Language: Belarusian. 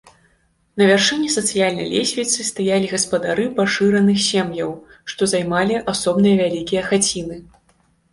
На вяршыні сацыяльнай лесвіцы стаялі гаспадары пашыраных сем'яў, што займалі асобныя вялікія хаціны.